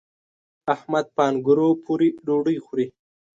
احمد په انګورو پورې ډوډۍ خوري.